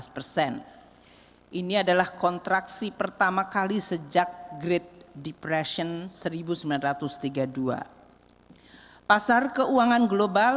lima belas persen ini adalah kontraksi pertama kali sejak grade depression seribu sembilan ratus tiga puluh dua pasar keuangan global